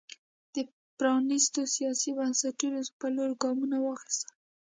د پرانېستو سیاسي بنسټونو پر لور ګامونه واخیستل.